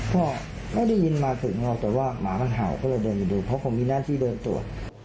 เพราะไม่ได้ยินมาถึงแล้วแต่ว่าหมาขันเห่าก็เลยเดินอยู่ดูเพราะผมมีหน้าที่เดินตัว